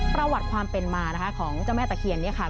ประวัติความเป็นมานะคะของเจ้าแม่ตะเคียนเนี่ยค่ะ